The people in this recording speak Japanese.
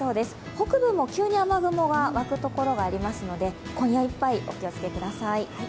北部も急に雨雲が沸くところがありますので今夜いっぱい、お気をつけください。